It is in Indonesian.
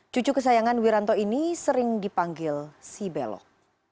cucu kesayangan wiranto ini sering dipanggil sibelok